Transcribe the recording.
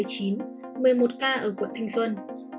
một mươi một ca ở quận thanh xuân